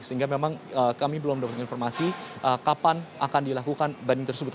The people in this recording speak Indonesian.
sehingga memang kami belum mendapatkan informasi kapan akan dilakukan banding tersebut